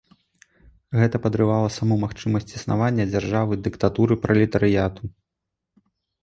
Гэта падрывала саму магчымасць існавання дзяржавы дыктатуры пралетарыяту.